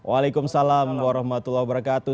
waalaikumsalam warahmatullahi wabarakatuh